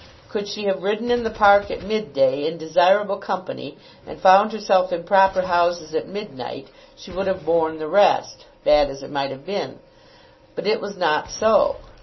Could she have ridden in the park at mid day in desirable company, and found herself in proper houses at midnight, she would have borne the rest, bad as it might have been. But it was not so.